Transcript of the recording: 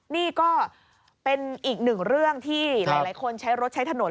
นี่ก็เป็นอีกหนึ่งเรื่องที่หลายคนใช้รถใช้ถนน